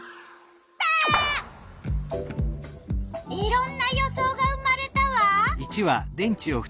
いろんな予想が生まれたわ。